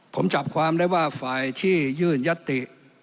ผมจับความได้ว่าฝ่ายที่ยื่นยัตติ